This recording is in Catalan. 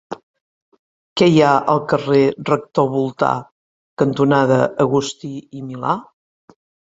Què hi ha al carrer Rector Voltà cantonada Agustí i Milà?